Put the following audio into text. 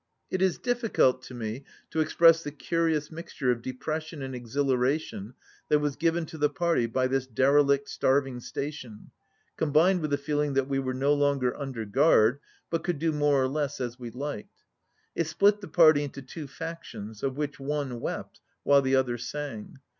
It is difficult to me to express the curious mixture of depression and exhilaration that was given to the party by this derelict starving station combined with the feeling that we were no longer under guard but could do more or less as we liked. It split the party into two factions, of which one wept while the other sang.